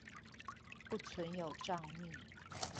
不存有帳密